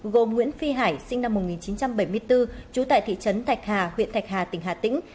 gồm nguyễn phi hải sinh năm một nghìn chín trăm bảy mươi bốn trú tại thị trấn thạch hà huyện thạch hà tỉnh hà tĩnh